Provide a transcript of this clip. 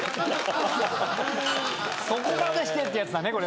そこまでしてってやつだねこれ。